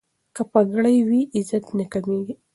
که پګړۍ وي نو عزت نه کمیږي.